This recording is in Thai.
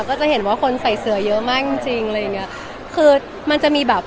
ก็จะเห็นว่าคนใส่เสือเยอะมากจริงจริงอะไรอย่างเงี้ยคือมันจะมีแบบ